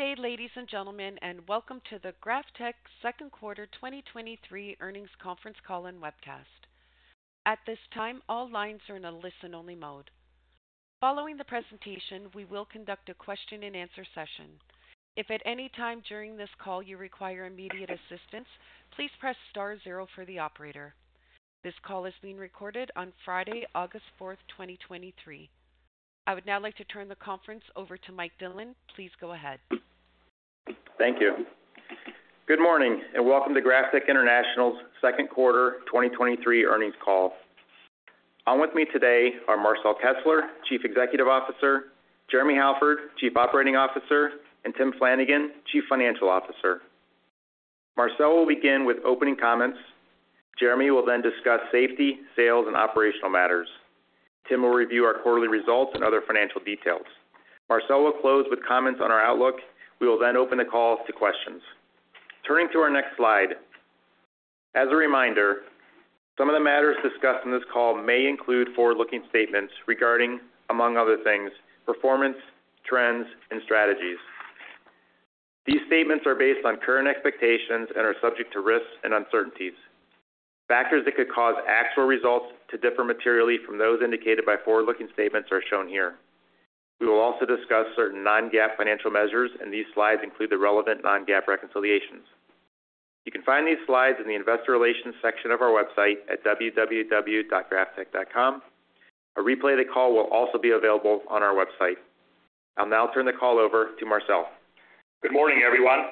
Good day, ladies and gentlemen, and welcome to the GrafTech Second Quarter 2023 Earnings Conference Call and Webcast. At this time, all lines are in a listen-only mode. Following the presentation, we will conduct a question-and-answer session. If at any time during this call you require immediate assistance, please press star zero for the operator. This call is being recorded on Friday, August 4, 2023. I would now like to turn the conference over to Mike Dillon. Please go ahead. Thank you. Good morning, and welcome to GrafTech International's Second Quarter 2023 Earnings Call. On with me today are Marcel Kessler, Chief Executive Officer, Jeremy Halford, Chief Operating Officer, and Tim Flanagan, Chief Financial Officer. Marcel will begin with opening comments. Jeremy will then discuss safety, sales, and operational matters. Tim will review our quarterly results and other financial details. Marcel will close with comments on our outlook. We will then open the call to questions. Turning to our next slide, as a reminder, some of the matters discussed on this call may include forward-looking statements regarding, among other things, performance, trends, and strategies. These statements are based on current expectations and are subject to risks and uncertainties. Factors that could cause actual results to differ materially from those indicated by forward-looking statements are shown here. We will also discuss certain non-GAAP financial measures, and these slides include the relevant non-GAAP reconciliations. You can find these slides in the Investor Relations section of our website at www.graftech.com. A replay of the call will also be available on our website. I'll now turn the call over to Marcel. Good morning, everyone.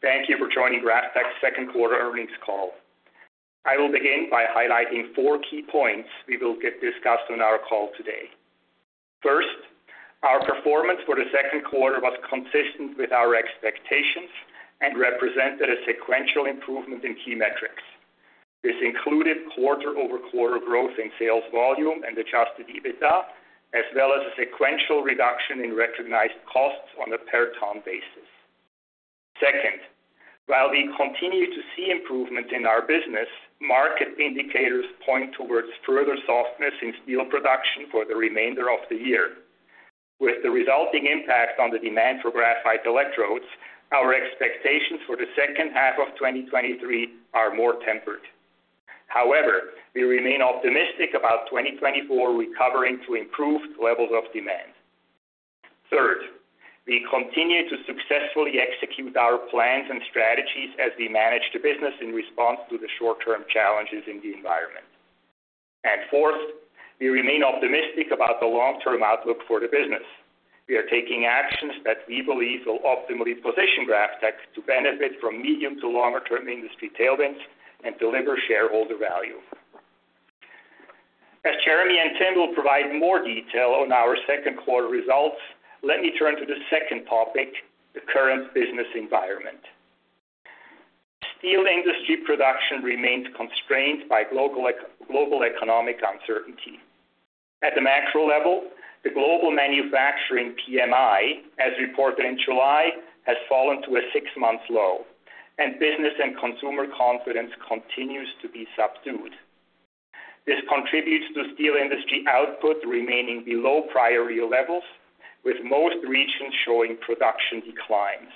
Thank you for joining GrafTech's second quarter earnings call. I will begin by highlighting four key points we will get discussed on our call today. First, our performance for the second quarter was consistent with our expectations and represented a sequential improvement in key metrics. This included quarter-over-quarter growth in sales volume and adjusted EBITDA, as well as a sequential reduction in recognized costs on a per-ton basis. Second, while we continue to see improvement in our business, market indicators point towards further softness in steel production for the remainder of the year. With the resulting impact on the demand for graphite electrodes, our expectations for the second half of 2023 are more tempered. However, we remain optimistic about 2024 recovering to improved levels of demand. Third, we continue to successfully execute our plans and strategies as we manage the business in response to the short-term challenges in the environment. Fourth, we remain optimistic about the long-term outlook for the business. We are taking actions that we believe will optimally position GrafTech to benefit from medium to longer-term industry tailwinds and deliver shareholder value. As Jeremy and Tim will provide more detail on our second quarter results, let me turn to the second topic, the current business environment. Steel industry production remains constrained by global economic uncertainty. At the macro level, the global manufacturing PMI, as reported in July, has fallen to a six-month low, and business and consumer confidence continues to be subdued. This contributes to steel industry output remaining below prior year levels, with most regions showing production declines.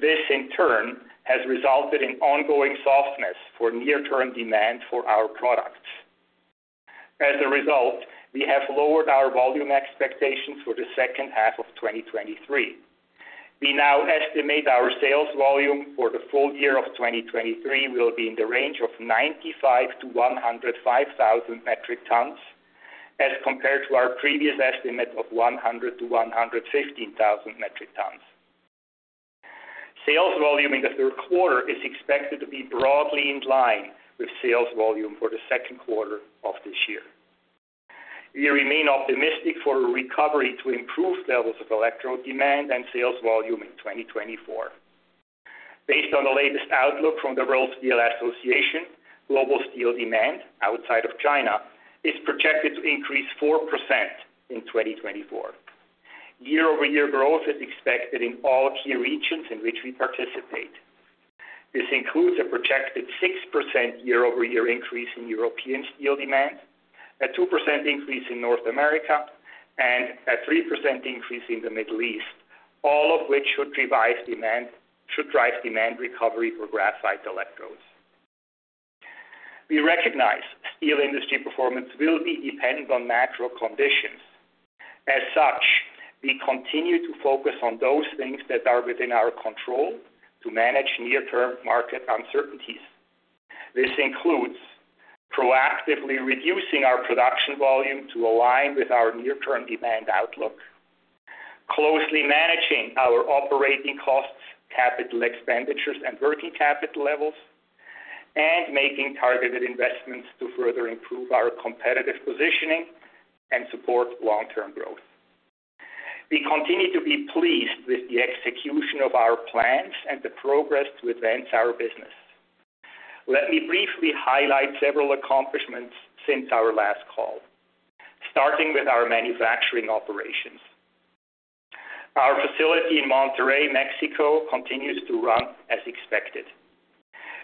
This, in turn, has resulted in ongoing softness for near-term demand for our products. As a result, we have lowered our volume expectations for the second half of 2023. We now estimate our sales volume for the full year of 2023 will be in the range of 95,000-105,000 metric tons, as compared to our previous estimate of 100,000-115,000 metric tons. Sales volume in the third quarter is expected to be broadly in line with sales volume for the second quarter of this year. We remain optimistic for a recovery to improved levels of electrode demand and sales volume in 2024. Based on the latest outlook from the World Steel Association, global steel demand outside of China is projected to increase 4% in 2024. Year-over-year growth is expected in all key regions in which we participate. This includes a projected 6% year-over-year increase in European steel demand, a 2% increase in North America, and a 3% increase in the Middle East, all of which should drive demand, should drive demand recovery for graphite electrodes. We recognize steel industry performance will be dependent on natural conditions. As such, we continue to focus on those things that are within our control to manage near-term market uncertainties. This includes proactively reducing our production volume to align with our near-term demand outlook, closely managing our operating costs, capital expenditures, and working capital levels, and making targeted investments to further improve our competitive positioning and support long-term growth. We continue to be pleased with the execution of our plans and the progress to advance our business. Let me briefly highlight several accomplishments since our last call, starting with our manufacturing operations. Our facility in Monterrey, Mexico, continues to run as expected.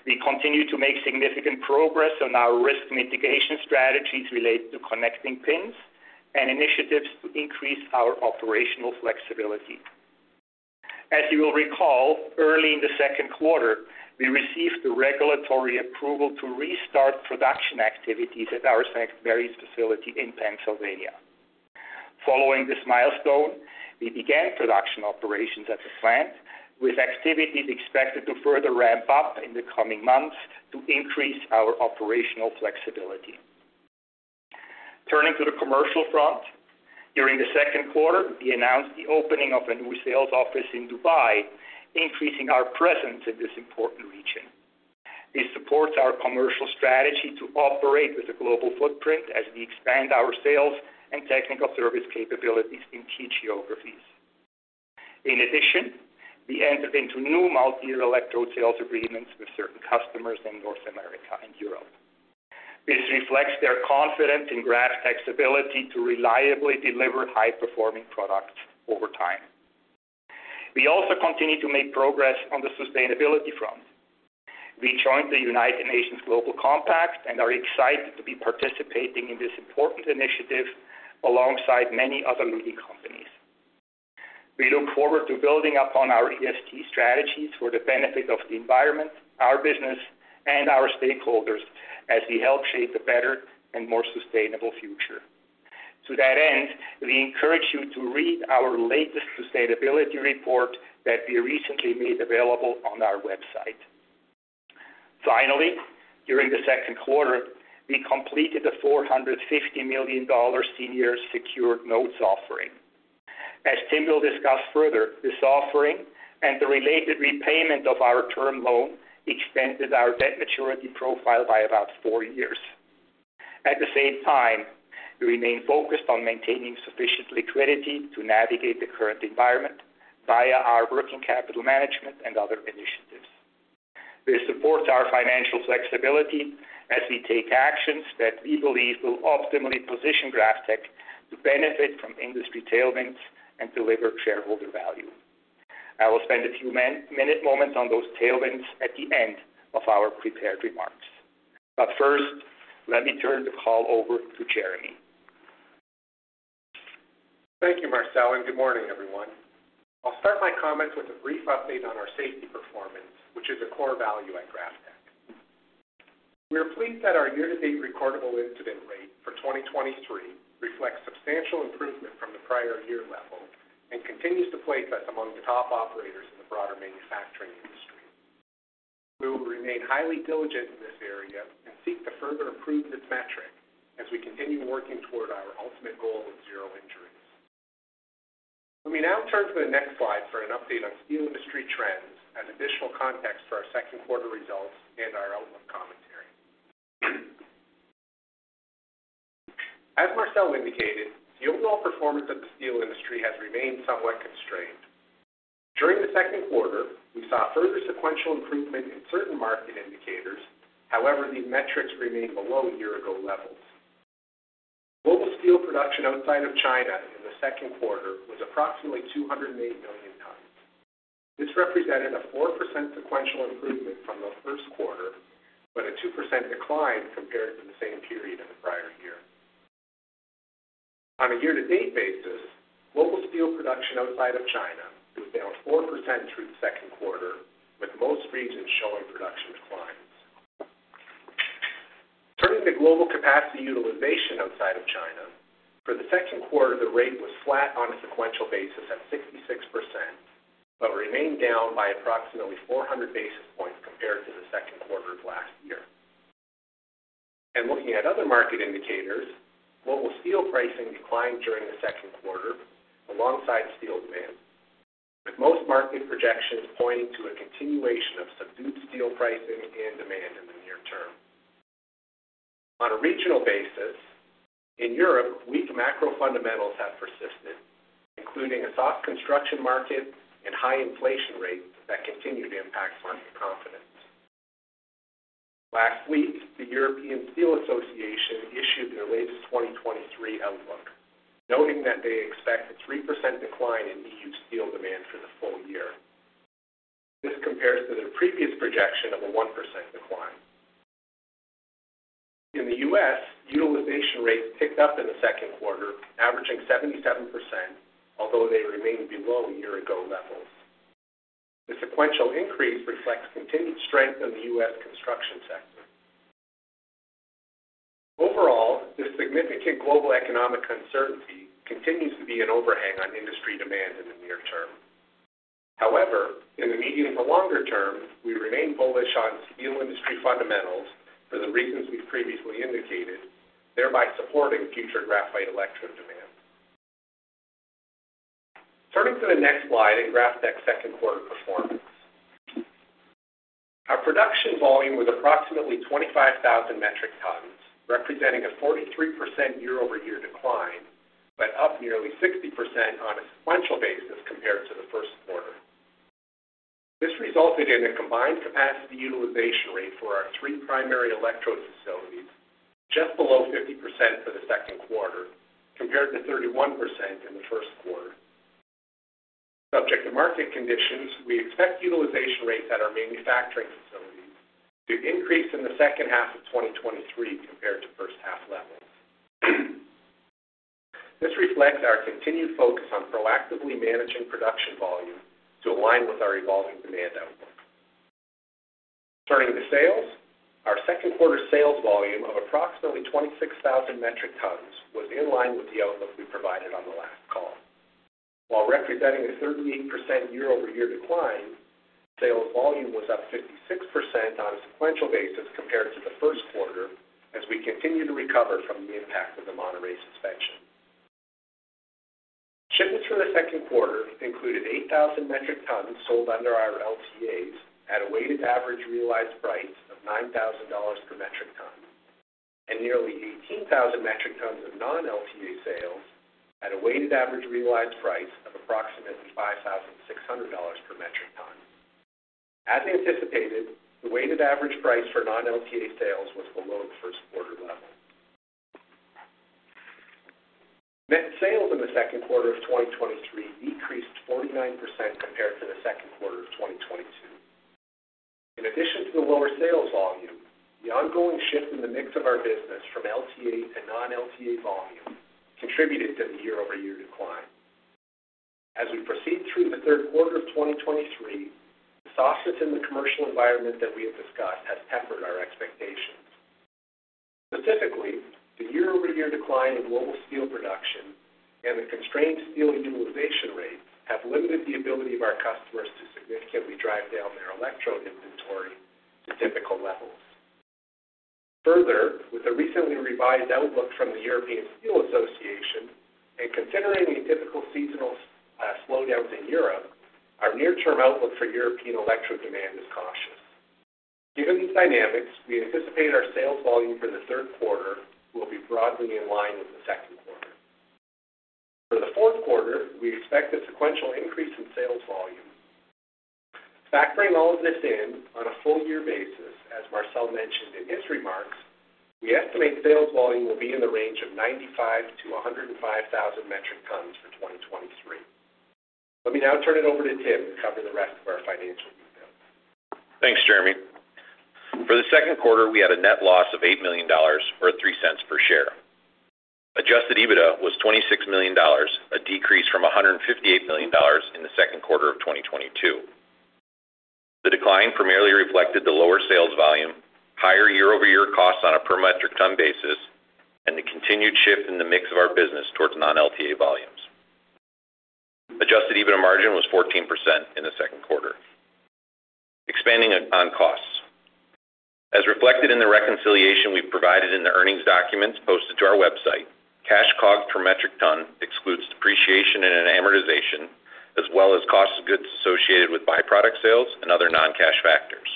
We continue to make significant progress on our risk mitigation strategies related to connecting pins and initiatives to increase our operational flexibility. As you will recall, early in the second quarter, we received the regulatory approval to restart production activities at our St. Marys facility in Pennsylvania. Following this milestone, we began production operations at the plant, with activities expected to further ramp up in the coming months to increase our operational flexibility. Turning to the commercial front, during the second quarter, we announced the opening of a new sales office in Dubai, increasing our presence in this important region. This supports our commercial strategy to operate with a global footprint as we expand our sales and technical service capabilities in key geographies. In addition, we entered into new multi-year electrode sales agreements with certain customers in North America and Europe. This reflects their confidence in GrafTech's ability to reliably deliver high-performing products over time. We also continue to make progress on the sustainability front. We joined the United Nations Global Compact and are excited to be participating in this important initiative alongside many other leading companies. We look forward to building upon our ESG strategies for the benefit of the environment, our business, and our stakeholders as we help shape a better and more sustainable future. To that end, we encourage you to read our latest sustainability report that we recently made available on our website. Finally, during the second quarter, we completed a $450 million senior secured notes offering. As Tim will discuss further, this offering and the related repayment of our term loan extended our debt maturity profile by about four years. At the same time, we remain focused on maintaining sufficient liquidity to navigate the current environment via our working capital management and other initiatives. This supports our financial flexibility as we take actions that we believe will optimally position GrafTech to benefit from industry tailwinds and deliver shareholder value. I will spend a few minute moments on those tailwinds at the end of our prepared remarks. First, let me turn the call over to Jeremy. Thank you, Marcel. Good morning, everyone. I'll start my comments with a brief update on our safety performance, which is a core value at GrafTech. We are pleased that our year-to-date recordable incident rate for 2023 reflects substantial improvement from the prior year level and continues to place us among the top operators in the broader manufacturing industry. We will remain highly diligent in this area and seek to further improve this metric as we continue working toward our ultimate goal of zero injuries. Let me now turn to the next slide for an update on steel industry trends and additional context for our 2Q results and our outlook commentary. As Marcel indicated, the overall performance of the steel industry has remained somewhat constrained. During the 2Q, we saw further sequential improvement in certain market indicators. However, these metrics remained below year-ago levels. Global steel production outside of China in the second quarter was approximately 208 million tons. This represented a 4% sequential improvement from the first quarter, but a 2% decline compared to the same period in the prior year. On a year-to-date basis, global steel production outside of China was down 4% through the second quarter, with most regions showing production declines. Turning to global capacity utilization outside of China, for the second quarter, the rate was flat on a sequential basis at 66%, but remained down by approximately 400 basis points compared to the second quarter of last year. Looking at other market indicators, global steel pricing declined during the second quarter alongside steel demand, with most market projections pointing to a continuation of subdued steel pricing and demand in the near term. On a regional basis, in Europe, weak macro fundamentals have persisted, including a soft construction market and high inflation rates that continue to impact market confidence. Last week, the European Steel Association issued their latest 2023 outlook, noting that they expect a 3% decline in EU steel demand for the full year. This compares to their previous projection of a 1% decline. In the U.S., utilization rates picked up in the second quarter, averaging 77%, although they remained below year-ago levels. The sequential increase reflects continued strength in the U.S. construction sector. Overall, this significant global economic uncertainty continues to be an overhang on industry demand in the near term. In the medium to longer term, we remain bullish on steel industry fundamentals for the reasons we've previously indicated, thereby supporting future graphite electrode demand. Turning to the next slide in GrafTech's second quarter performance. Our production volume was approximately 25,000 metric tons, representing a 43% year-over-year decline, but up nearly 60% on a sequential basis compared to the first quarter. This resulted in a combined capacity utilization rate for our three primary electrode facilities, just below 50% for the second quarter, compared to 31% in the first quarter. Subject to market conditions, we expect utilization rates at our manufacturing facilities to increase in the second half of 2023 compared to first half levels. This reflects our continued focus on proactively managing production volume to align with our evolving demand outlook. Turning to sales, our second quarter sales volume of approximately 26,000 metric tons was in line with the outlook we provided on the last call. While representing a 38% year-over-year decline, sales volume was up 56% on a sequential basis compared to the first quarter, as we continue to recover from the impact of the Monterrey suspension. Shipments for the second quarter included 8,000 metric tons sold under our LTAs at a weighted average realized price of $9,000 per metric ton, and nearly 18,000 metric tons of non-LTA sales at a weighted average realized price of approximately $5,600 per metric ton. As anticipated, the weighted average price for non-LTA sales was below the first quarter level. Net sales in the second quarter of 2023 decreased 49% compared to the second quarter of 2022. In addition to the lower sales volume, the ongoing shift in the mix of our business from LTA to non-LTA volume contributed to the year-over-year decline. As we proceed through the third quarter of 2023, the softness in the commercial environment that we have discussed has tempered our expectations. Specifically, the year-over-year decline in global steel production and the constrained steel utilization rates have limited the ability of our customers to significantly drive down their electrode inventory to typical levels. Further, with the recently revised outlook from the European Steel Association and considering the difficult seasonal slowdowns in Europe, our near-term outlook for European electrode demand is cautious. Given these dynamics, we anticipate our sales volume for the third quarter will be broadly in line with the second quarter. For the fourth quarter, we expect a sequential increase in sales volume. Factoring all of this in, on a full year basis, as Marcel mentioned in his remarks, we estimate sales volume will be in the range of 95,000-105,000 metric tons for 2023. Let me now turn it over to Tim to cover the rest of our financial details. Thanks, Jeremy. For the second quarter, we had a net loss of $8 million, or $0.03 per share. Adjusted EBITDA was $26 million, a decrease from $158 million in the second quarter of 2022. The decline primarily reflected the lower sales volume, higher year-over-year costs on a per metric ton basis, and the continued shift in the mix of our business towards non-LTA volumes. Adjusted EBITDA margin was 14% in the second quarter. Expanding on costs. As reflected in the reconciliation we've provided in the earnings documents posted to our website, cash COGS per metric ton excludes depreciation and amortization, as well as costs of goods associated with byproduct sales and other non-cash factors.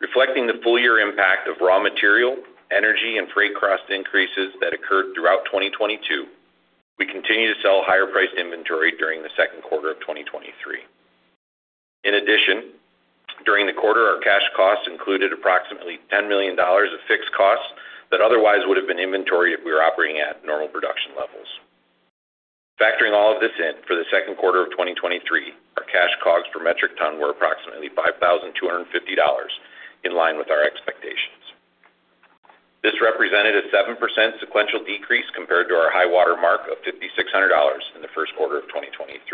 Reflecting the full year impact of raw material, energy, and freight cost increases that occurred throughout 2022, we continue to sell higher-priced inventory during the second quarter of 2023. In addition, during the quarter, our cash costs included approximately $10 million of fixed costs that otherwise would have been inventoried if we were operating at normal production levels. Factoring all of this in, for the second quarter of 2023, our cash COGS per metric ton were approximately $5,250, in line with our expectations. This represented a 7% sequential decrease compared to our high-water mark of $5,600 in the first quarter of 2023.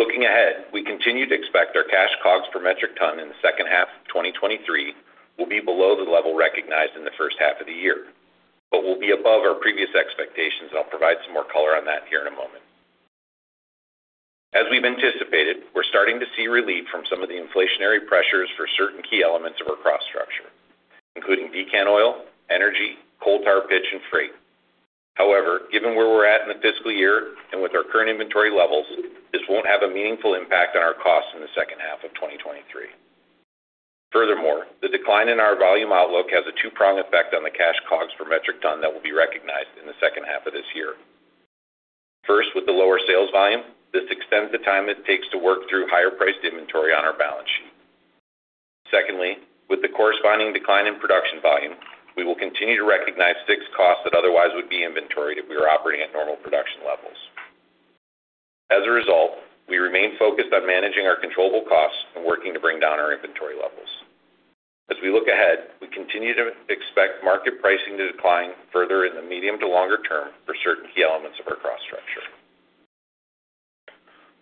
Looking ahead, we continue to expect our cash COGS per metric ton in the second half of 2023 will be below the level recognized in the first half of the year, but will be above our previous expectations, and I'll provide some more color on that here in a moment. As we've anticipated, we're starting to see relief from some of the inflationary pressures for certain key elements of our cost structure, including decant oil, energy, coal tar pitch, and freight. Given where we're at in the fiscal year and with our current inventory levels, this won't have a meaningful impact on our costs in the second half of 2023. Furthermore, the decline in our volume outlook has a two-pronged effect on the cash COGS per metric ton that will be recognized in the second half of this year. First, with the lower sales volume, this extends the time it takes to work through higher-priced inventory on our balance sheet. Secondly, with the corresponding decline in production volume, we will continue to recognize fixed costs that otherwise would be inventoried if we were operating at normal production levels. As a result, we remain focused on managing our controllable costs and working to bring down our inventory levels. As we look ahead, we continue to expect market pricing to decline further in the medium to longer term for certain key elements of our cost structure.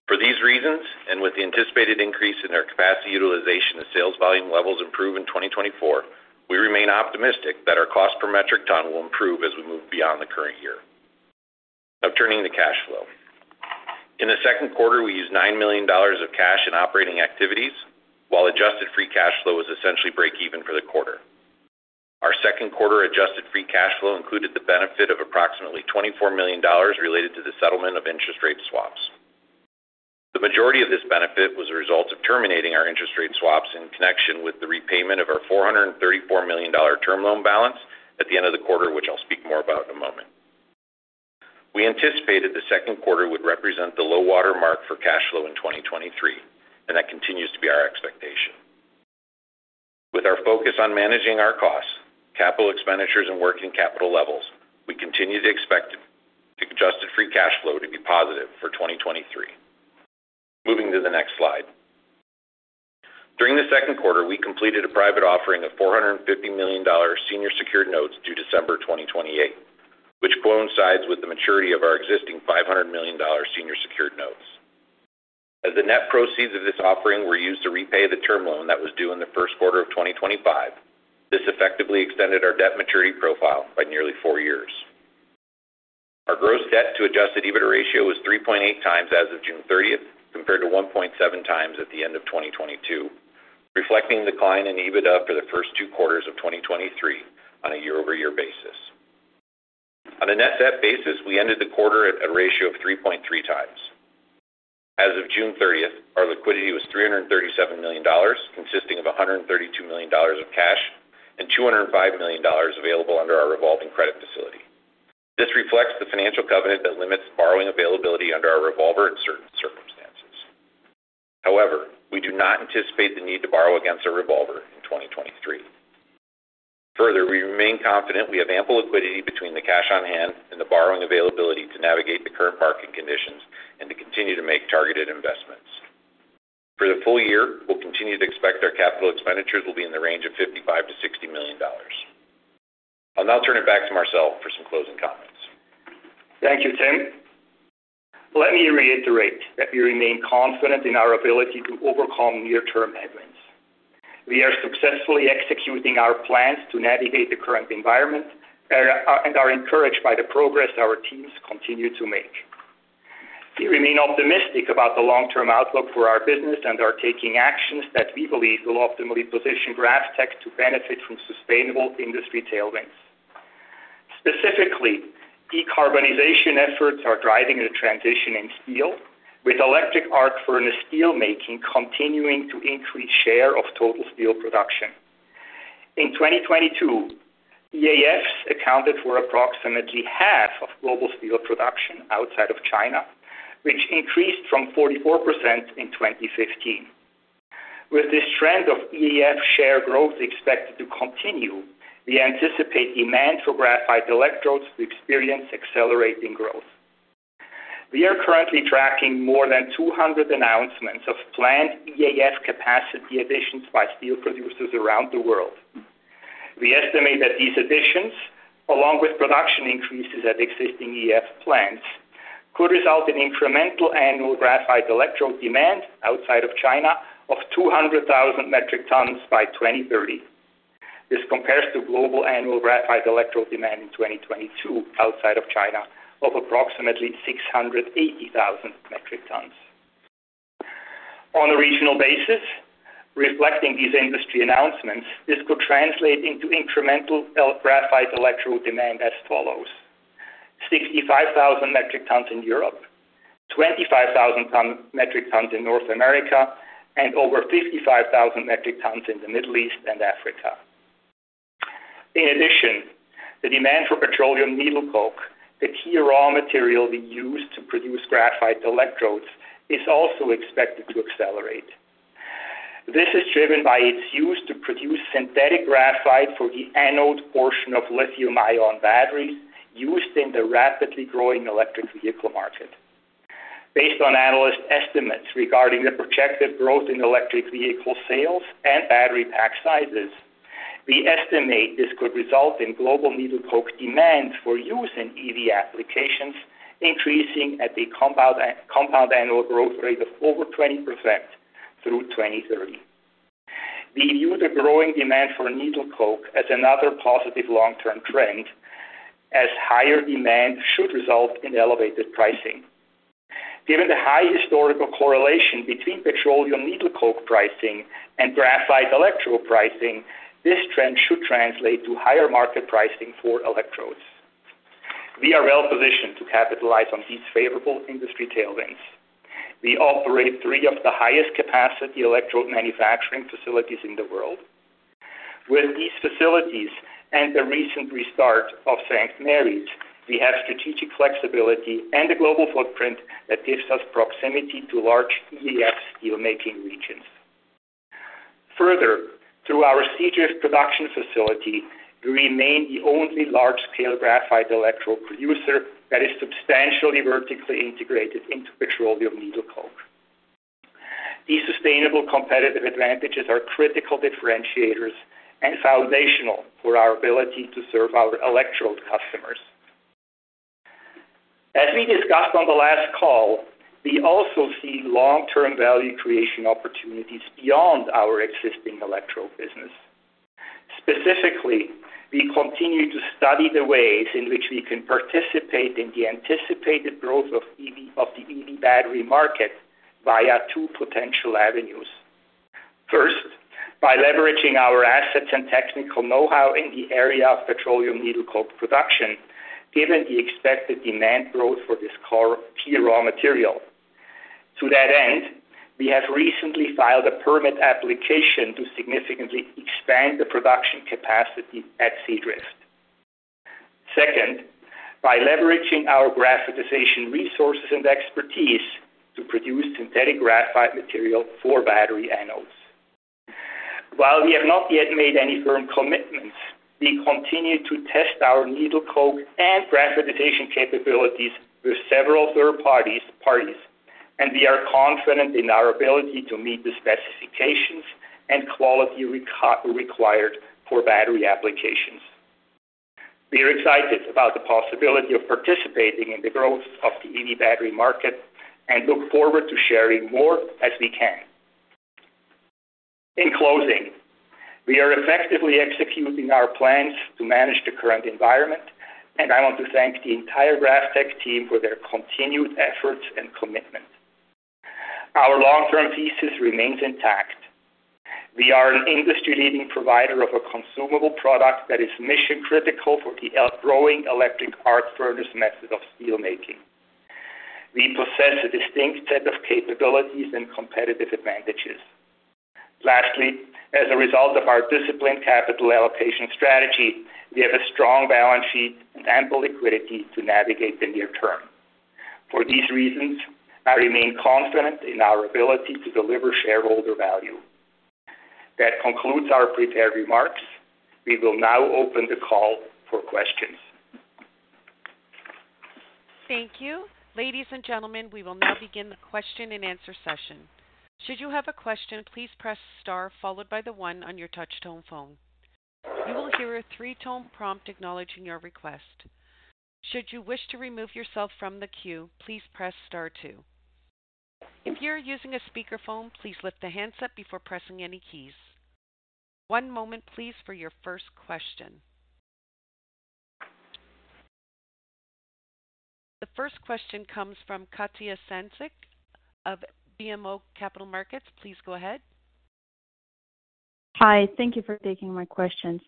For these reasons, and with the anticipated increase in our capacity utilization as sales volume levels improve in 2024, we remain optimistic that our cost per metric ton will improve as we move beyond the current year. Now turning to cash flow. In the second quarter, we used $9 million of cash in operating activities, while adjusted free cash flow was essentially break even for the quarter. Our second quarter adjusted free cash flow included the benefit of approximately $24 million related to the settlement of interest rate swaps. The majority of this benefit was a result of terminating our interest rate swaps in connection with the repayment of our $434 million term loan balance at the end of the quarter, which I'll speak more about in a moment. We anticipated the second quarter would represent the low-water mark for cash flow in 2023, and that continues to be our expectation. With our focus on managing our costs, capital expenditures, and working capital levels, we continue to expect the adjusted free cash flow to be positive for 2023. Moving to the next slide. During the second quarter, we completed a private offering of $450 million Senior Secured Notes due December 2028, which coincides with the maturity of our existing $500 million Senior Secured Notes. The net proceeds of this offering were used to repay the term loan that was due in the first quarter of 2025, this effectively extended our debt maturity profile by nearly four years. Our gross debt to adjusted EBITDA ratio was 3.8x as of June 30th, compared to 1.7x at the end of 2022, reflecting the decline in EBITDA for the first two quarters of 2023 on a year-over-year basis. On a net debt basis, we ended the quarter at a ratio of 3.3x. As of June 30th, our liquidity was $337 million, consisting of $132 million of cash and $205 million available under our revolving credit facility. This reflects the financial covenant that limits borrowing availability under our revolver in certain circumstances. However, we do not anticipate the need to borrow against our revolver in 2023. We remain confident we have ample liquidity between the cash on hand and the borrowing availability to navigate the current market conditions and to continue to make targeted investments. For the full year, we'll continue to expect our capital expenditures will be in the range of $55 million-$60 million. I'll now turn it back to Marcel for some closing comments. Thank you, Tim. Let me reiterate that we remain confident in our ability to overcome near-term headwinds. We are successfully executing our plans to navigate the current environment and are encouraged by the progress our teams continue to make. We remain optimistic about the long-term outlook for our business and are taking actions that we believe will optimally position GrafTech to benefit from sustainable industry tailwinds. Specifically, decarbonization efforts are driving a transition in steel, with electric arc furnace steelmaking continuing to increase share of total steel production. In 2022, EAFs accounted for approximately 50% of global steel production outside of China, which increased from 44% in 2015. With this trend of EAF share growth expected to continue, we anticipate demand for graphite electrodes to experience accelerating growth. We are currently tracking more than 200 announcements of planned EAF capacity additions by steel producers around the world. We estimate that these additions, along with production increases at existing EAF plants, could result in incremental annual graphite electrode demand outside of China of 200,000 metric tons by 2030. This compares to global annual graphite electrode demand in 2022, outside of China, of approximately 680,000 metric tons. On a regional basis, reflecting these industry announcements, this could translate into incremental graphite electrode demand as follows: 65,000 metric tons in Europe, 25,000 metric tons in North America, and over 55,000 metric tons in the Middle East and Africa. In addition, the demand for petroleum needle coke, the key raw material we use to produce graphite electrodes, is also expected to accelerate. This is driven by its use to produce synthetic graphite for the anode portion of lithium-ion batteries used in the rapidly growing electric vehicle market. Based on analyst estimates regarding the projected growth in electric vehicle sales and battery pack sizes, we estimate this could result in global needle coke demand for use in EV applications, increasing at a compound annual growth rate of over 20% through 2030. We view the growing demand for needle coke as another positive long-term trend, as higher demand should result in elevated pricing. Given the high historical correlation between petroleum needle coke pricing and graphite electrode pricing, this trend should translate to higher market pricing for electrodes. We are well positioned to capitalize on these favorable industry tailwinds. We operate three of the highest capacity electrode manufacturing facilities in the world. With these facilities and the recent restart of St. Marys, we have strategic flexibility and a global footprint that gives us proximity to large EAF steelmaking regions. Through our Seadrift production facility, we remain the only large-scale graphite electrode producer that is substantially vertically integrated into petroleum needle coke. These sustainable competitive advantages are critical differentiators and foundational for our ability to serve our electrode customers. As we discussed on the last call, we also see long-term value creation opportunities beyond our existing electrode business. Specifically, we continue to study the ways in which we can participate in the anticipated growth of EV, of the EV battery market via two potential avenues. First, by leveraging our assets and technical know-how in the area of petroleum needle coke production, given the expected demand growth for this key raw material. To that end, we have recently filed a permit application to significantly expand the production capacity at Seadrift.... Second, by leveraging our graphitization resources and expertise to produce synthetic graphite material for battery anodes. While we have not yet made any firm commitments, we continue to test our needle coke and graphitization capabilities with several third parties, and we are confident in our ability to meet the specifications and quality required for battery applications. We are excited about the possibility of participating in the growth of the EV battery market and look forward to sharing more as we can. In closing, we are effectively executing our plans to manage the current environment, and I want to thank the entire GrafTech team for their continued efforts and commitment. Our long-term thesis remains intact. We are an industry-leading provider of a consumable product that is mission-critical for the growing electric arc furnace method of steelmaking. We possess a distinct set of capabilities and competitive advantages. Lastly, as a result of our disciplined capital allocation strategy, we have a strong balance sheet and ample liquidity to navigate the near term. For these reasons, I remain confident in our ability to deliver shareholder value. That concludes our prepared remarks. We will now open the call for questions. Thank you. Ladies and gentlemen, we will now begin the question-and-answer session. Should you have a question, please press star followed by the one on your touchtone phone. You will hear a three-tone prompt acknowledging your request. Should you wish to remove yourself from the queue, please press star two. If you are using a speakerphone, please lift the handset before pressing any keys. One moment please, for your first question. The first question comes from Katja Jancic of BMO Capital Markets. Please go ahead. Hi, thank you for taking my questions.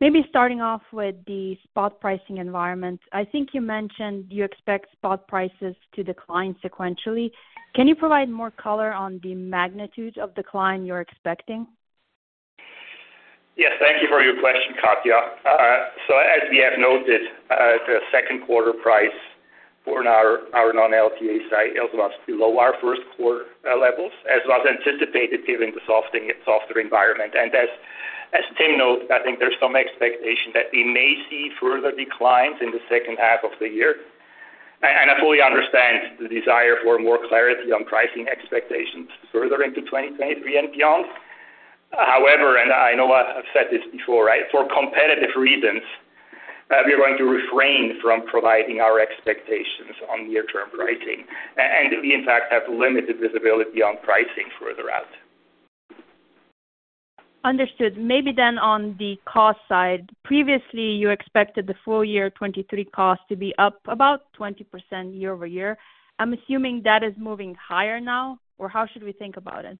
Maybe starting off with the spot pricing environment, I think you mentioned you expect spot prices to decline sequentially. Can you provide more color on the magnitude of decline you're expecting? Yes, thank you for your question, Katja. As we have noted, the second quarter price for our non-LTA site is below our first quarter levels, as was anticipated, given the softer environment. As Tim noted, I think there's some expectation that we may see further declines in the second half of the year. I fully understand the desire for more clarity on pricing expectations further into 2023 and beyond. However, I know I've said this before, right? For competitive reasons, we are going to refrain from providing our expectations on near-term pricing. We, in fact, have limited visibility on pricing further out. Understood. Maybe on the cost side, previously, you expected the full year 2023 costs to be up about 20% year-over-year. I'm assuming that is moving higher now, or how should we think about it?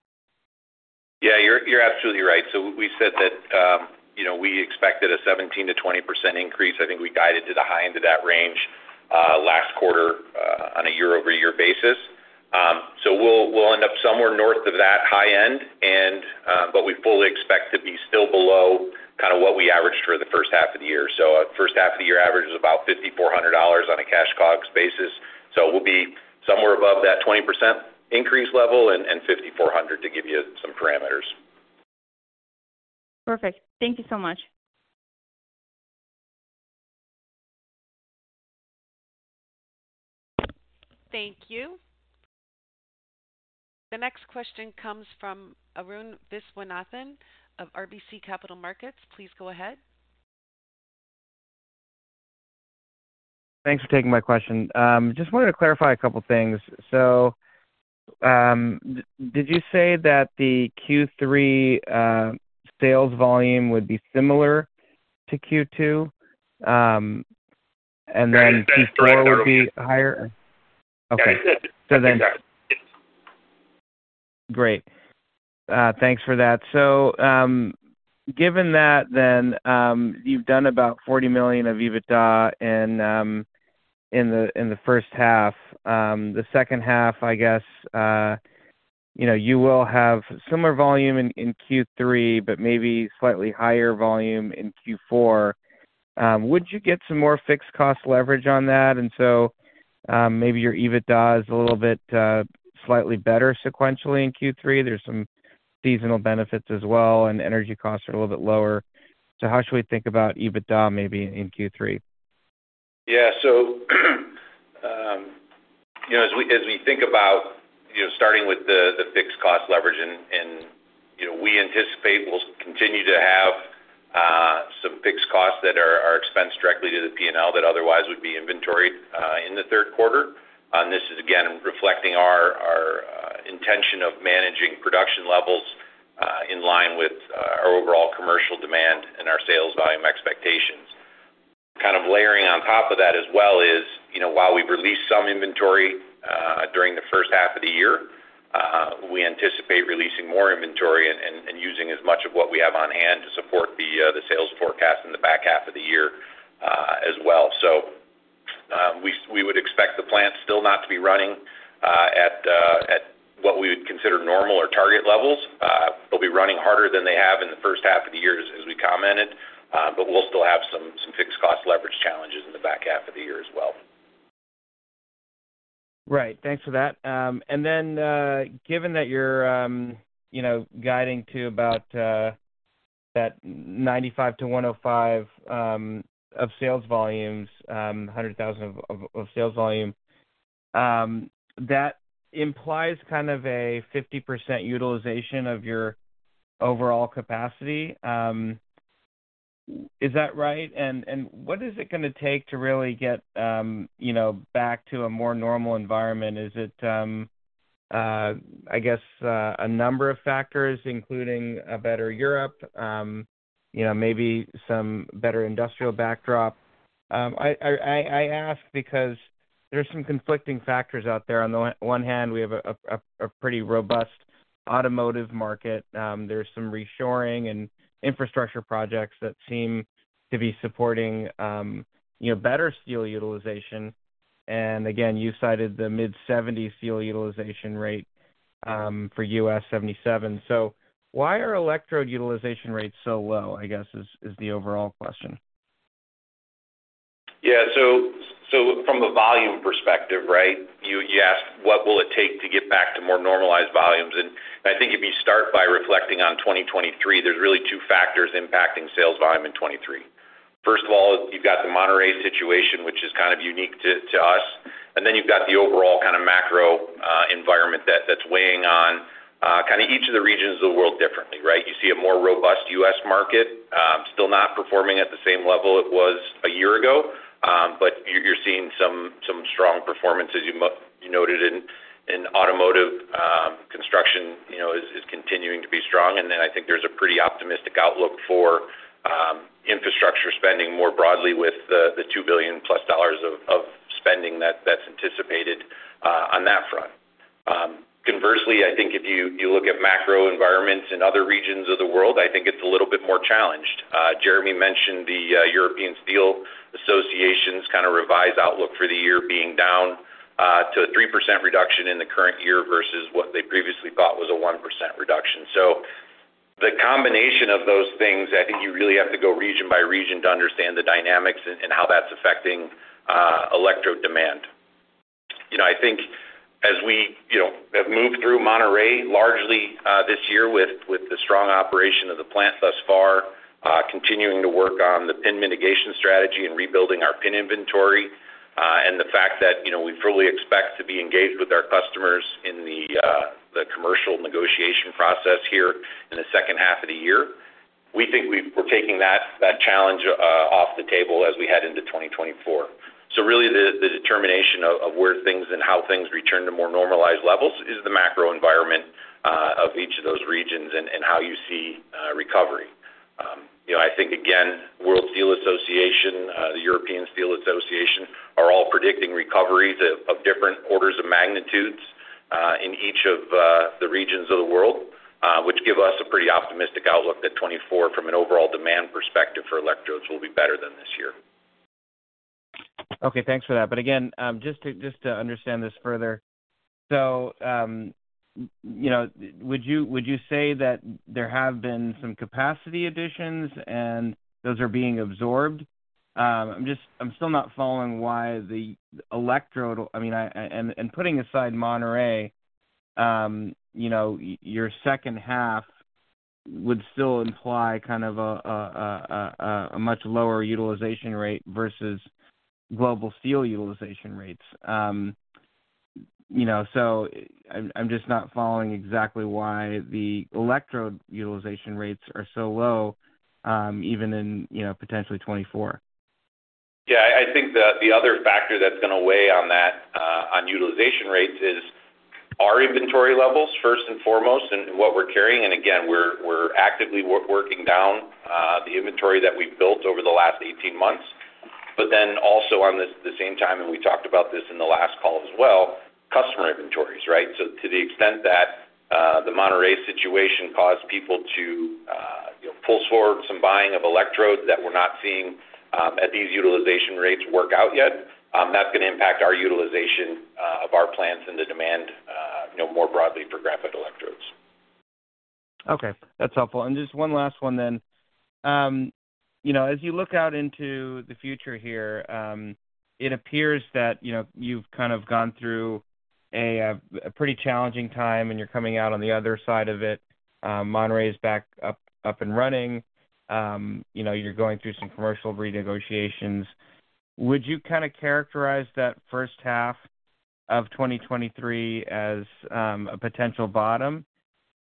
Yeah, you're, you're absolutely right. We said that, you know, we expected a 17%-20% increase. I think we guided to the high end of that range last quarter on a year-over-year basis. We'll, we'll end up somewhere north of that high end, and, but we fully expect to be still below kind of what we averaged for the first half of the year. First half of the year average is about $5,400 on a cash COGS basis. We'll be somewhere above that 20% increase level and, and $5,400 to give you some parameters. Perfect. Thank you so much. Thank you. The next question comes from Arun Viswanathan of RBC Capital Markets. Please go ahead. Thanks for taking my question. Just wanted to clarify a couple things. Did you say that the Q3 sales volume would be similar to Q2, and then Q4 will be higher? Okay. Great. Thanks for that. Given that then, you've done about $40 million of EBITDA in the first half, the second half, I guess, you know, you will have similar volume in Q3, but maybe slightly higher volume in Q4. Would you get some more fixed cost leverage on that? Maybe your EBITDA is a little bit slightly better sequentially in Q3. There's some seasonal benefits as well, and energy costs are a little bit lower. How should we think about EBITDA maybe in Q3? Yeah. So, you know, as we, as we think about, you know, starting with the, the fixed cost leverage and, and, you know, we anticipate we'll continue to have some fixed costs that are expensed directly to the P&L that otherwise would be inventoried in the third quarter. This is, again, reflecting our, our intention of managing production levels in line with our overall commercial demand and our sales volume expectations. Kind of layering on top of that as well is, you know, while we've released some inventory during the first half of the year, we anticipate releasing more inventory and, and, and using as much of what we have on hand to support the sales forecast in the back half of the year as well. We, we would expect the plant still not to be running, considered normal or target levels. They'll be running harder than they have in the first half of the year, as, as we commented, but we'll still have some, some fixed cost leverage challenges in the back half of the year as well. Right. Thanks for that. Then, given that you're, you know, guiding to about that 95-105 of sales volumes, 100,000 of, of, of sales volume, that implies kind of a 50% utilization of your overall capacity. Is that right? What is it gonna take to really get, you know, back to a more normal environment? Is it, I guess, a number of factors, including a better Europe, you know, maybe some better industrial backdrop? I, I, I, I ask because there's some conflicting factors out there. On the one hand, we have a, a, a, a pretty robust automotive market. There's some reshoring and infrastructure projects that seem to be supporting, you know, better steel utilization. Again, you cited the mid-70s steel utilization rate, for US 77. Why are electrode utilization rates so low? I guess, is the overall question. Yeah. From a volume perspective, right? You asked, what will it take to get back to more normalized volumes? I think if you start by reflecting on 2023, there's really two factors impacting sales volume in 2023. First of all, you've got the Monterrey situation, which is kind of unique to us, then you've got the overall kind of macro environment that's weighing on each of the regions of the world differently, right? You see a more robust U.S. market, still not performing at the same level it was a year ago. You're seeing some strong performance, as you noted in automotive. Construction, you know, is, is continuing to be strong. I think there's a pretty optimistic outlook for infrastructure spending more broadly with the $2 billion-plus of spending that's anticipated on that front. Conversely, I think if you, you look at macro environments in other regions of the world, I think it's a little bit more challenged. Jeremy mentioned the European Steel Association's kind of revised outlook for the year being down to a 3% reduction in the current year versus what they previously thought was a 1% reduction. The combination of those things, I think you really have to go region by region to understand the dynamics and, and how that's affecting electrode demand. You know, I think as we, you know, have moved through Monterrey largely, this year with, with the strong operation of the plant thus far, continuing to work on the PIN mitigation strategy and rebuilding our PIN inventory, and the fact that, you know, we fully expect to be engaged with our customers in the, the commercial negotiation process here in the second half of the year, we think we're taking that, that challenge, off the table as we head into 2024. Really, the determination of, of where things and how things return to more normalized levels is the macro environment of each of those regions and, and how you see recovery. You know, I think, again, World Steel Association, the European Steel Association, are all predicting recoveries of, of different orders of magnitudes, in each of the regions of the world, which give us a pretty optimistic outlook that 2024, from an overall demand perspective for electrodes, will be better than this year. Okay, thanks for that. Again, just to, just to understand this further, you know, would you, would you say that there have been some capacity additions and those are being absorbed? I'm still not following why the electrode... I mean, I, and, and putting aside Monterrey, you know, your second half would still imply kind of a much lower utilization rate versus global steel utilization rates. You know, I'm, I'm just not following exactly why the electrode utilization rates are so low, even in, you know, potentially 2024. Yeah, I think the, the other factor that's going to weigh on that, on utilization rates is our inventory levels, first and foremost, and what we're carrying. Again, we're, we're actively working down the inventory that we've built over the last 18 months. Then also on this, the same time, and we talked about this in the last call as well, customer inventories, right? To the extent that the Monterrey situation caused people to, you know, pull forward some buying of electrodes that we're not seeing at these utilization rates work out yet, that's going to impact our utilization of our plants and the demand, you know, more broadly for graphite electrodes. Okay, that's helpful. Just one last one then. You know, as you look out into the future here, it appears that, you know, you've kind of gone through a pretty challenging time, and you're coming out on the other side of it. Monterrey is back up, up, and running. You know, you're going through some commercial renegotiations. Would you kind of characterize that first half of 2023 as a potential bottom?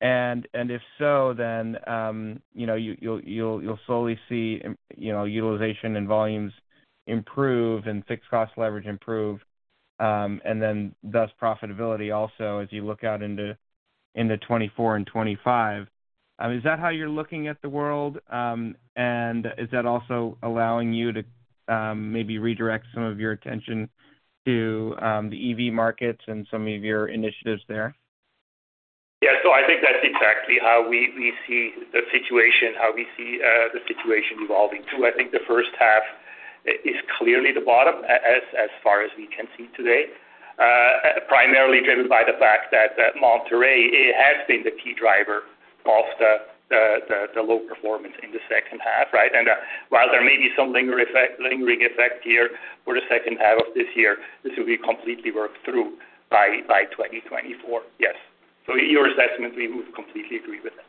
If so, then, you know, you'll, you'll, you'll slowly see, you know, utilization and volumes improve and fixed cost leverage improve, and then thus profitability also, as you look out into 2024 and 2025. Is that how you're looking at the world? Is that also allowing you to, maybe redirect some of your attention to, the EV markets and some of your initiatives there? Yeah. I think that's exactly how we, we see the situation, how we see, the situation evolving, too. I think the first half-... is clearly the bottom, as, as far as we can see today, primarily driven by the fact that, that Monterrey, it has been the key driver of the, the, the, the low performance in the second half, right? While there may be some lingering effect, lingering effect here for the second half of this year, this will be completely worked through by, by 2024. Yes. Your assessment, we would completely agree with that.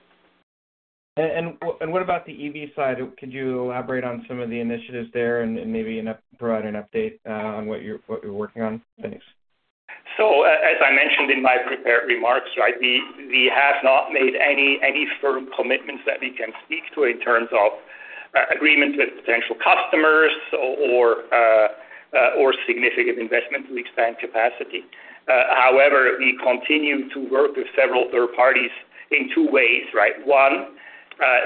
What about the EV side? Could you elaborate on some of the initiatives there and, and maybe provide an update on what you're, what you're working on, thanks? As I mentioned in my prepared remarks, right, we have not made any firm commitments that we can speak to in terms of agreement with potential customers or significant investment to expand capacity. However, we continue to work with several third parties in two ways, right? One,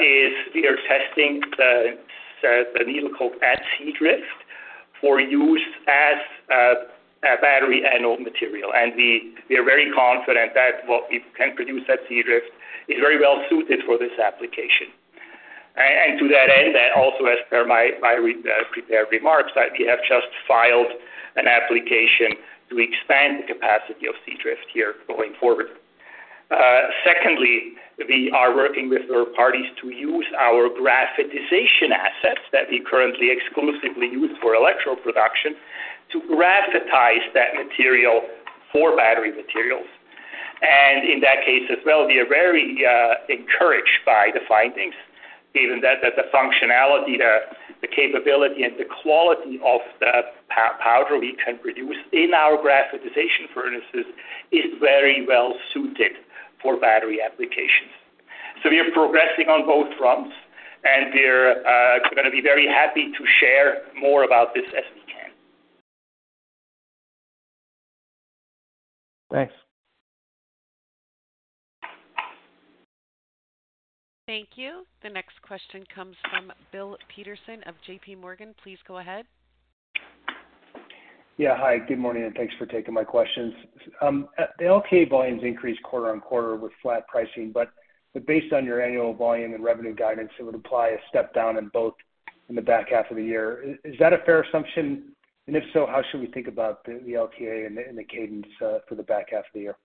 is we are testing the needle coke at Seadrift for use as a battery anode material, and we are very confident that what we can produce at Seadrift is very well suited for this application. To that end, and also as per my prepared remarks, that we have just filed an application to expand the capacity of Seadrift here going forward. Secondly, we are working with third parties to use our graphitization assets that we currently exclusively use for electrode production, to graphitize that material for battery materials. In that case as well, we are very encouraged by the findings, given that, that the functionality, the capability, and the quality of the powder we can produce in our graphitization furnaces is very well suited for battery applications. We are progressing on both fronts, and we're gonna be very happy to share more about this as we can. Thanks. Thank you. The next question comes from Bill Peterson of JPMorgan. Please go ahead. Yeah. Hi, good morning, and thanks for taking my questions. The LTA volumes increased quarter-on-quarter with flat pricing, but based on your annual volume and revenue guidance, it would apply a step down in both in the back half of the year. Is that a fair assumption? If so, how should we think about the LTA and the cadence for the back half of the year?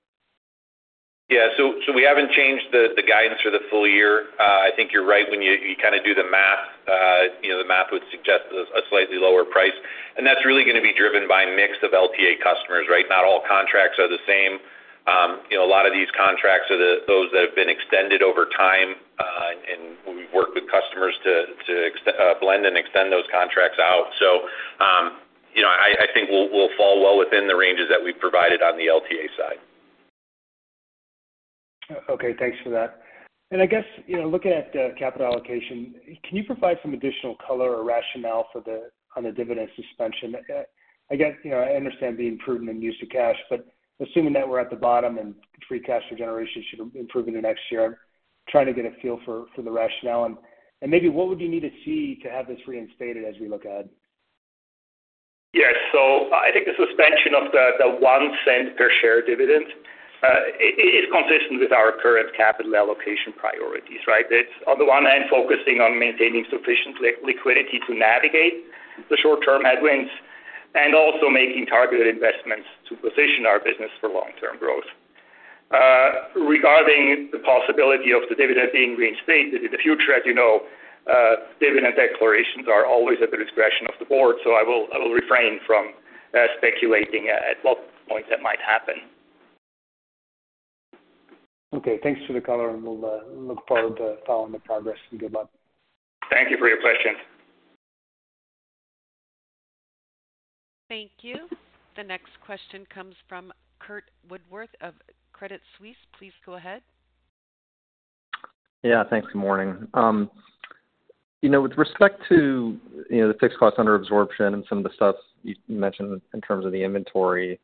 Yeah, we haven't changed the guidance for the full year. I think you're right. When you, you kind of do the math, you know, the math would suggest a slightly lower price, and that's really gonna be driven by a mix of LTA customers, right? Not all contracts are the same. You know, a lot of these contracts are the those that have been extended over time, and we've worked with customers to blend and extend those contracts out. I think we'll fall well within the ranges that we've provided on the LTA side. Okay, thanks for that. I guess, you know, looking at capital allocation, can you provide some additional color or rationale on the dividend suspension? I guess, you know, I understand the improvement in use of cash, but assuming that we're at the bottom and free cash flow generation should improve in the next year, I'm trying to get a feel for, for the rationale, and, and maybe what would you need to see to have this reinstated as we look ahead? Yes, so I think the suspension of the $0.01 per share dividend is consistent with our current capital allocation priorities, right? It's, on the one hand, focusing on maintaining sufficient liquidity to navigate the short-term headwinds, and also making targeted investments to position our business for long-term growth. Regarding the possibility of the dividend being reinstated in the future, as you know, dividend declarations are always at the discretion of the board, so I will refrain from speculating at what point that might happen. Okay, thanks for the color, and we'll look forward to following the progress, and good luck. Thank you for your question. Thank you. The next question comes from Curt Woodworth of Credit Suisse. Please go ahead. Yeah, thanks. Good morning. You know, with respect to, you know, the fixed cost under absorption and some of the stuff you mentioned in terms of the inventory,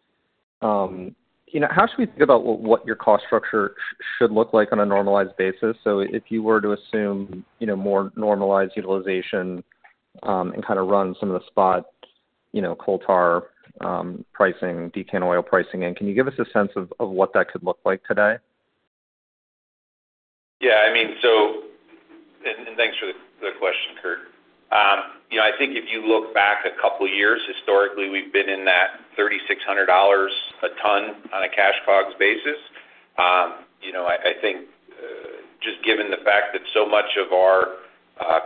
you know, how should we think about what, what your cost structure should look like on a normalized basis? If you were to assume, you know, more normalized utilization, and kind of run some of the spot, you know, coal tar, pricing, decant oil pricing, and can you give us a sense of, of what that could look like today? Yeah, I mean, so... Thanks for the question, Curt. You know, I think if you look back a couple of years, historically, we've been in that $3,600 a ton on a cash COGS basis. You know, I think just given the fact that so much of our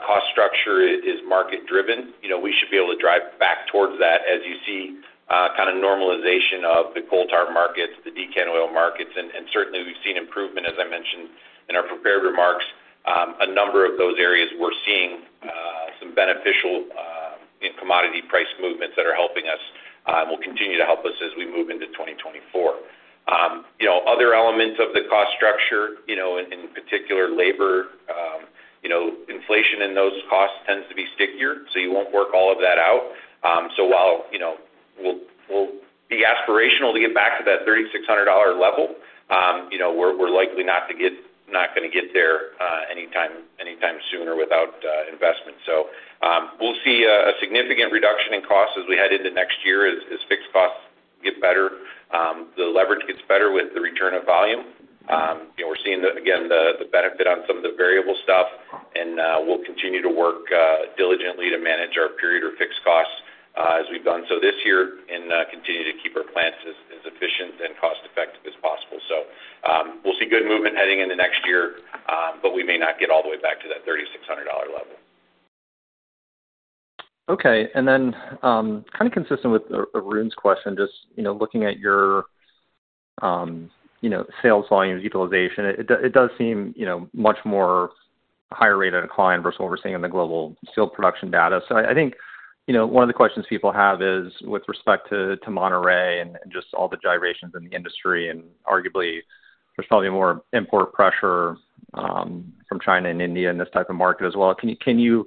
cost structure is market-driven, you know, we should be able to drive back towards that as you see kind of normalization of the coal tar markets, the decant oil markets, and certainly we've seen improvement, as I mentioned in our prepared remarks. A number of those areas, we're seeing some beneficial in commodity price movements that are helping us, and will continue to help us as we move into 2024. You know, other elements of the cost structure, you know, in particular, labor, inflation in those costs tends to be stickier, so you won't work all of that out. While, you know, we'll, we'll be aspirational to get back to that $3,600 level, we're, we're likely not to get not gonna get there, anytime, anytime sooner without investment. We'll see a, a significant reduction in costs as we head into next year as, as fixed costs-... the leverage gets better with the return of volume. You know, we're seeing the, again, the benefit on some of the variable stuff, and we'll continue to work diligently to manage our period or fixed costs, as we've done so this year, and continue to keep our plants as efficient and cost-effective as possible. We'll see good movement heading into next year, but we may not get all the way back to that $3,600 level. Okay. Then, kind of consistent with Arun's question, just, you know, looking at your, you know, sales volume utilization, it does seem, you know, much more higher rate of decline versus what we're seeing in the global steel production data. I, I think, you know, one of the questions people have is with respect to, to Monterrey and, and just all the gyrations in the industry, and arguably, there's probably more import pressure, from China and India in this type of market as well. Can you, can you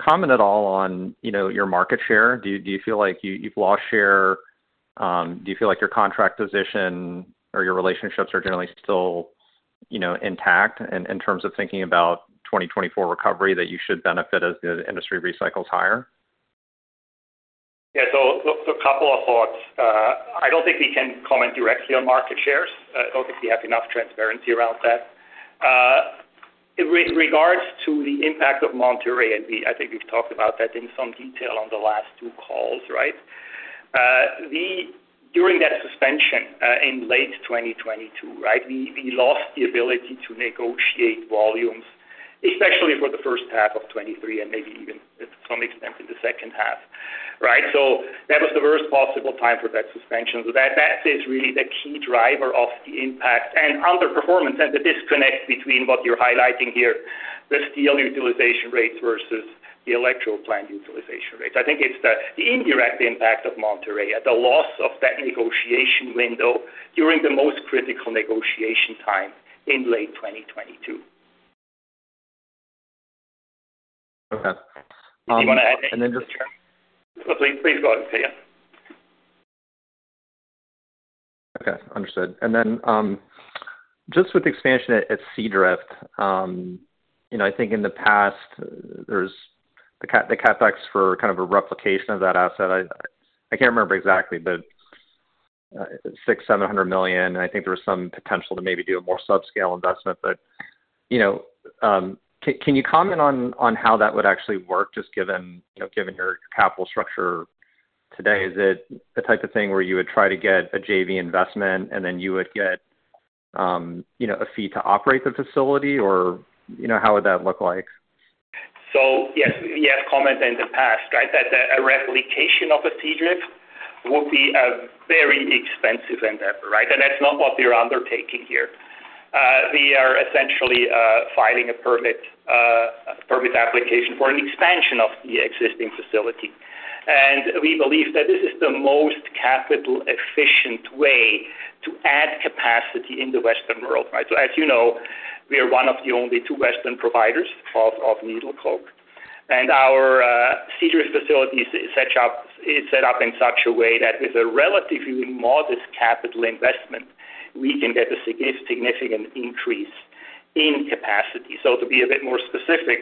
comment at all on, you know, your market share? Do you, do you feel like you, you've lost share? Do you feel like your contract position or your relationships are generally still, you know, intact in, in terms of thinking about 2024 recovery, that you should benefit as the industry recycles higher? Yeah, so a couple of thoughts. I don't think we can comment directly on market shares. I don't think we have enough transparency around that. In regards to the impact of Monterrey, I think we've talked about that in some detail on the last two calls, right? During that suspension, in late 2022, right, we, we lost the ability to negotiate volumes, especially for the first half of 2023, and maybe even to some extent in the second half, right? That was the worst possible time for that suspension. That, that is really the key driver of the impact and underperformance, and the disconnect between what you're highlighting here, the steel utilization rates versus the electro plant utilization rates. I think it's the, the indirect impact of Monterrey, the loss of that negotiation window during the most critical negotiation time in late 2022. Okay. Do you want to add anything? Please, please go ahead, Trevor. Okay, understood. Just with the expansion at Seadrift, you know, I think in the past, there's the CapEx for kind of a replication of that asset. I, I can't remember exactly, but $600 million-$700 million, and I think there was some potential to maybe do a more subscale investment. You know, can you comment on how that would actually work, just given, you know, given your capital structure today? Is it the type of thing where you would try to get a JV investment, and then you would get, you know, a fee to operate the facility? Or, you know, how would that look like? Yes, we have commented in the past, right, that a replication of Seadrift would be a very expensive endeavor, right? That's not what we are undertaking here. We are essentially filing a permit, a permit application for an expansion of the existing facility. We believe that this is the most capital-efficient way to add capacity in the Western world, right? As you know, we are one of the only two Western providers of needle coke, and our Seadrift facilities is set up, is set up in such a way that with a relatively modest capital investment, we can get a significant increase in capacity. To be a bit more specific,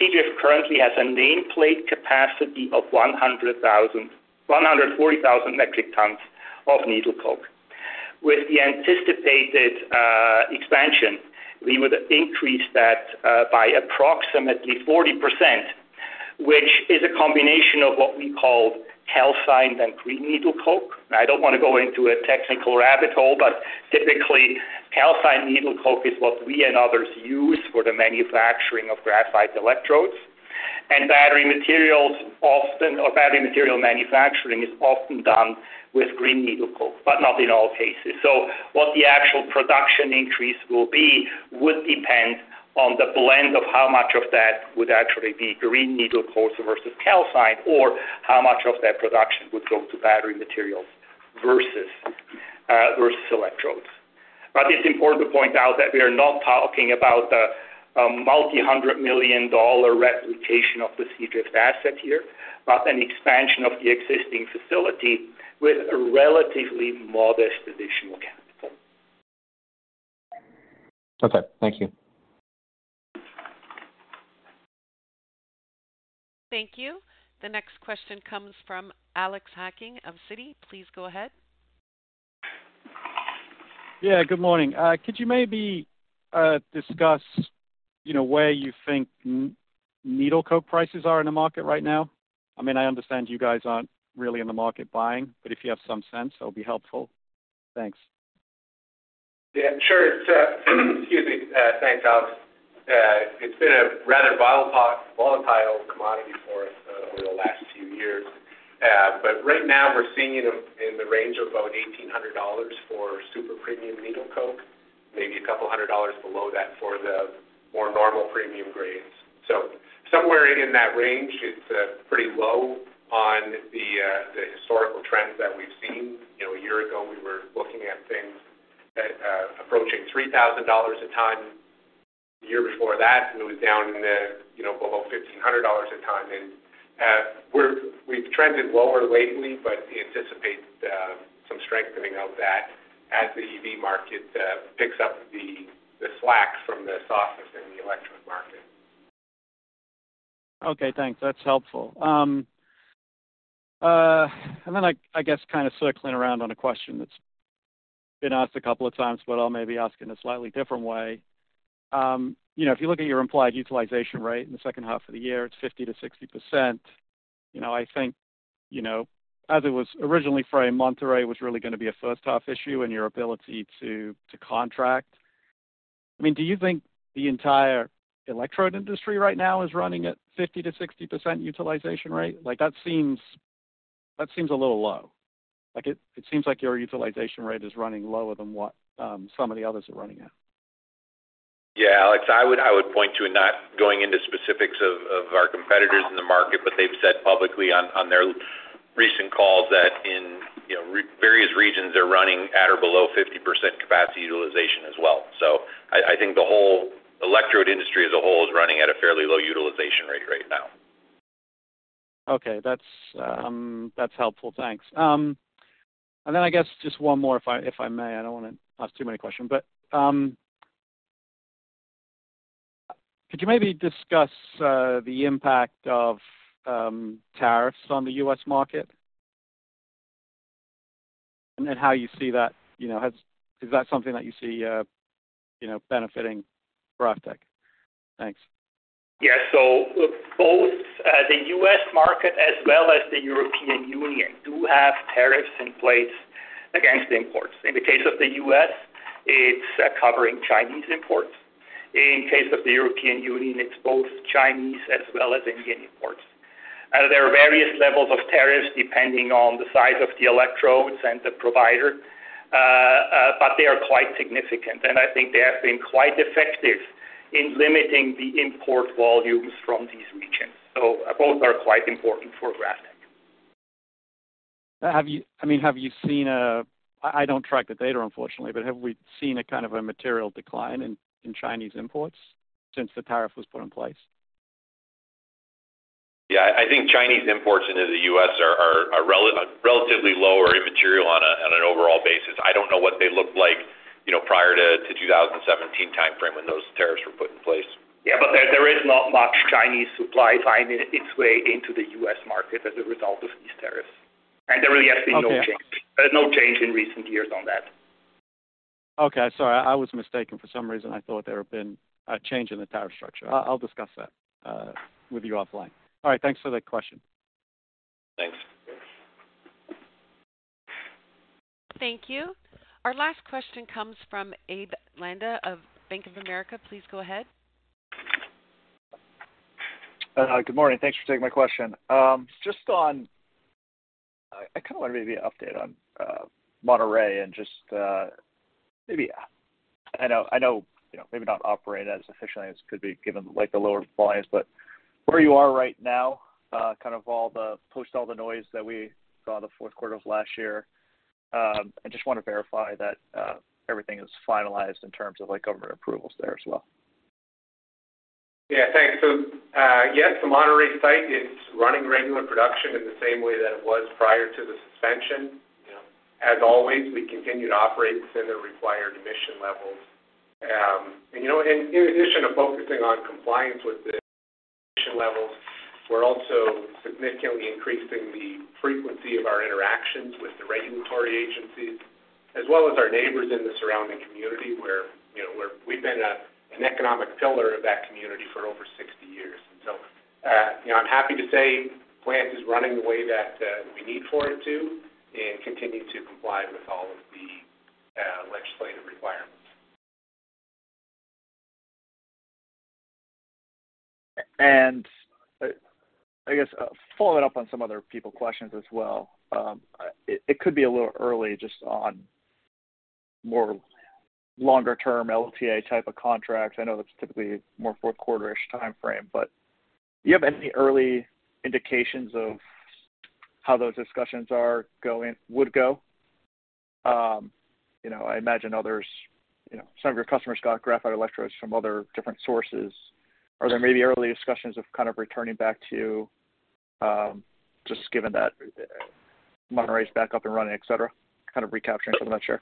Seadrift currently has a nameplate capacity of 140,000 metric tons of needle coke. With the anticipated expansion, we would increase that by approximately 40%, which is a combination of what we call calcined and green needle coke. I don't want to go into a technical rabbit hole, but typically, calcined needle coke is what we and others use for the manufacturing of graphite electrodes. Battery materials often, or battery material manufacturing, is often done with green needle coke, but not in all cases. What the actual production increase will be, would depend on the blend of how much of that would actually be green needle coke versus calcined, or how much of that production would go to battery materials versus versus electrodes. It's important to point out that we are not talking about a multi-hundred million dollar replication of the Seadrift asset here, but an expansion of the existing facility with a relatively modest additional capital. Okay, thank you. Thank you. The next question comes from Alex Hacking of Citi. Please go ahead. Yeah, good morning. Could you maybe discuss, you know, where you think needle coke prices are in the market right now? I mean, I understand you guys aren't really in the market buying, but if you have some sense, that would be helpful. Thanks. Yeah, sure. Excuse me, thanks, Alex. It's been a rather volatile commodity for us over the last few years. But right now we're seeing it in the range of about $1,800 for super premium needle coke, maybe a couple hundred dollars below that for the more normal premium grades. Somewhere in that range, it's pretty low on the historical trends that we've seen. You know, a year ago, we were looking at things at approaching $3,000 a ton. The year before that, it was down to, you know, below $1,500 a ton. And we've trended lower lately, but we anticipate some strengthening of that as the EV market picks up the slack from the softness in the electronics. Okay, thanks. That's helpful. I, I guess kind of circling around on a question that's been asked a couple of times, but I'll maybe ask in a slightly different way. You know, if you look at your implied utilization rate in the second half of the year, it's 50%-60%. You know, I think, you know, as it was originally framed, Monterrey was really gonna be a first-half issue in your ability to, to contract. I mean, do you think the entire electrode industry right now is running at 50%-60% utilization rate? Like, that seems, that seems a little low. Like, it, it seems like your utilization rate is running lower than what some of the others are running at. Alex, I would point to, and not going into specifics of, of our competitors in the market, but they've said publicly on, on their recent calls that in, you know, various regions, they're running at or below 50% capacity utilization as well. I think the whole electrode industry as a whole is running at a fairly low utilization rate right now. Okay, that's, that's helpful. Thanks. Then I guess just one more, if I, if I may. I don't want to ask too many questions, but could you maybe discuss the impact of tariffs on the U.S. market? How you see that, you know, is that something that you see, you know, benefiting GrafTech? Thanks. Yeah, both the U.S. market as well as the European Union do have tariffs in place against imports. In the case of the U.S., it's covering Chinese imports. In case of the European Union, it's both Chinese as well as Indian imports. There are various levels of tariffs depending on the size of the electrodes and the provider, but they are quite significant, and I think they have been quite effective in limiting the import volumes from these regions. Both are quite important for GrafTech. I mean, have you seen, I don't track the data, unfortunately, but have we seen a kind of a material decline in, in Chinese imports since the tariff was put in place? Yeah, I think Chinese imports into the U.S. are relatively low or immaterial on an overall basis. I don't know what they looked like, you know, prior to 2017 timeframe when those tariffs were put in place. Yeah, but there is not much Chinese supply finding its way into the U.S. market as a result of these tariffs. There really has been no change- Okay. No change in recent years on that. Okay, sorry, I was mistaken. For some reason, I thought there had been a change in the tariff structure. I'll discuss that with you offline. All right, thanks for the question. Thanks. Thank you. Our last question comes from Abraham Landa of Bank of America. Please go ahead. Good morning. Thanks for taking my question. Just on, I kind of want maybe an update on Monterrey and just, maybe, I know, I know, you know, maybe not operating as efficiently as it could be, given, like, the lower volumes, but where you are right now, kind of all the... push all the noise that we saw in the fourth quarter of last year. I just want to verify that everything is finalized in terms of, like, government approvals there as well. Yeah, thanks. Yes, the Monterrey site is running regular production in the same way that it was prior to the suspension. Yeah. As always, we continue to operate within the required emission levels. You know, in, in addition to focusing on compliance with the emission levels, we're also significantly increasing the frequency of our interactions with the regulatory agencies, as well as our neighbors in the surrounding community, where, you know, we've been an economic pillar of that community for over 60 years. So, you know, I'm happy to say the plant is running the way that we need for it to and continuing to comply with all of the legislative requirements. I guess, following up on some other people questions as well, it, it could be a little early just on more longer-term LTA type of contracts. I know that's typically more 4th quarter-ish timeframe, but do you have any early indications of how those discussions would go? You know, I imagine others, you know, some of your customers got graphite electrodes from other different sources. Are there maybe early discussions of kind of returning back to, just given that Monterrey is back up and running, et cetera, kind of recapturing some of that share?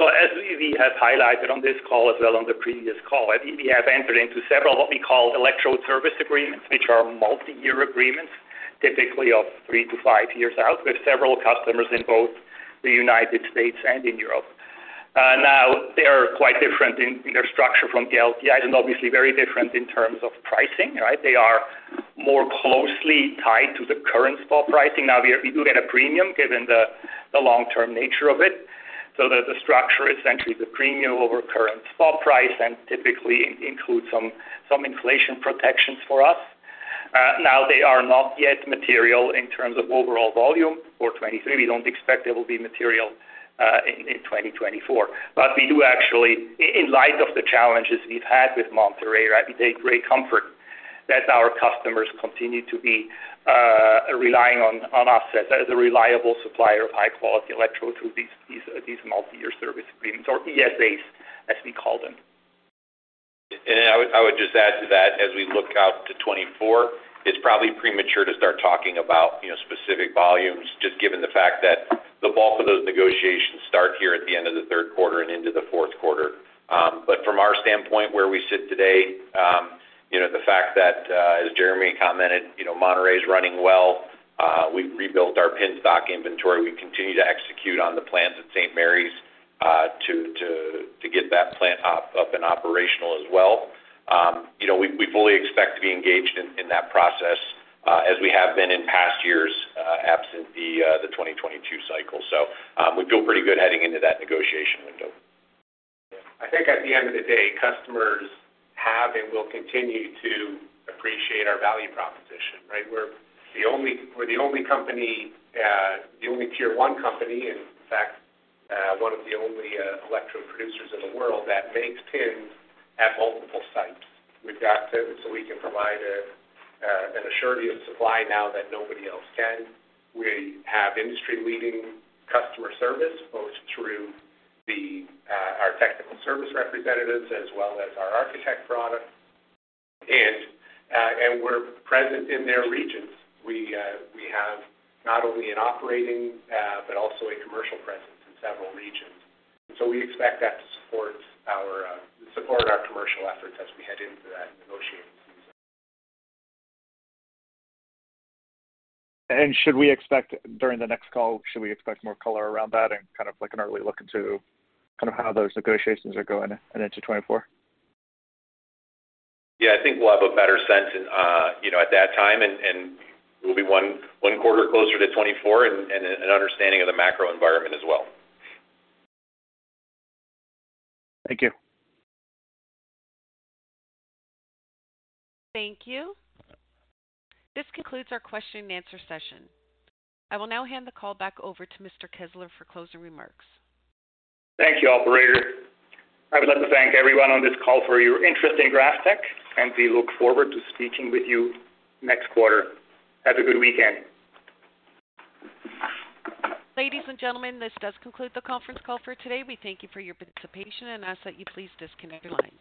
As we, we have highlighted on this call as well on the previous call, we, we have entered into several, what we call electrode service agreements, which are multi-year agreements, typically of 3 to 5 years out, with several customers in both the United States and in Europe. Now, they are quite different in their structure from the LTAs, and obviously very different in terms of pricing, right? They are more closely tied to the current spot pricing. Now, we do get a premium given the long-term nature of it, so that the structure is essentially the premium over current spot price and typically includes some inflation protections for us. Now, they are not yet material in terms of overall volume for 2023. We don't expect they will be material in 2024. We do actually, in light of the challenges we've had with Monterrey, I, we take great comfort that our customers continue to be relying on, on us as, as a reliable supplier of high-quality electrodes through these, these, these multi-year service agreements or ESAs, as we call them. I would, I would just add to that, as we look out to 2024, it's probably premature to start talking about, you know, specific volumes, just given the fact that the bulk of those negotiations start here at the end of the 3rd quarter and into the 4th quarter. But from our standpoint, where we sit today, you know, the fact that, as Jeremy commented, you know, Monterrey is running well.... We've rebuilt our pin stock inventory. We continue to execute on the plans at St. Marys, to get that plant up and operational as well. You know, we, we fully expect to be engaged in, in that process, as we have been in past years, absent the, the 2022 cycle. We feel pretty good heading into that negotiation window. I think at the end of the day, customers have and will continue to appreciate our value proposition, right? We're the only, we're the only company, the only tier one company, and in fact, one of the only, electrode producers in the world that makes pins at multiple sites. We've got pins, so we can provide a, an assurity of supply now that nobody else can. We have industry-leading customer service, both through the our technical service representatives as well as our Arc-Tech product. We're present in their regions. We, we have not only an operating but also a commercial presence in several regions. We expect that to support our support our commercial efforts as we head into that negotiating season. Should we expect, during the next call, should we expect more color around that and kind of like an early look into kind of how those negotiations are going and into 2024? Yeah, I think we'll have a better sense in, you know, at that time, and, and we'll be one quarter closer to 2024 and, and an understanding of the macro environment as well. Thank you. Thank you. This concludes our question and answer session. I will now hand the call back over to Mr. Kessler for closing remarks. Thank you, operator. I would like to thank everyone on this call for your interest in GrafTech, and we look forward to speaking with you next quarter. Have a good weekend. Ladies and gentlemen, this does conclude the conference call for today. We thank you for your participation and ask that you please disconnect your line.